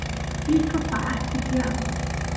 pishqos paaqpi tiyanku